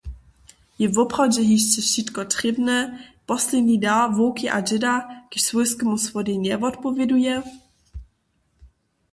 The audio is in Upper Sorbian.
Je woprawdźe hišće wšitko trěbne – posledni dar wowki a dźěda, kiž swójskemu słodej njewotpowěduje?